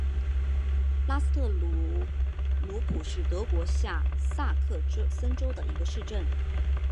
拉斯特鲁普是德国下萨克森州的一个市镇。